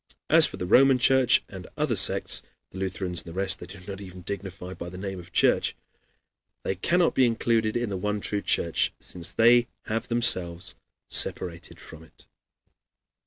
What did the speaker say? As for the Roman Church and other sects (the Lutherans and the rest they do not even dignify by the name of church), they cannot be included in the one true Church, since they have themselves separated from it.